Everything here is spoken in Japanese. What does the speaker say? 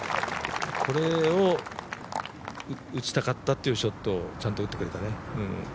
これを打ちたかったっていうショット、ちゃんと打ってくれたね。